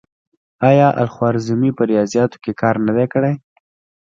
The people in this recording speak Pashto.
آیا الخوارزمي په ریاضیاتو کې کار نه دی کړی؟